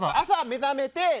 朝目覚めて